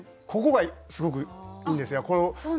ここがすごくいいんですよ。